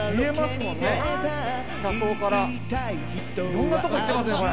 いろんなとこ行ってますねこれ。